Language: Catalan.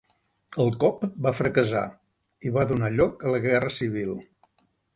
El cop va fracassar, i va donar lloc a la guerra civil.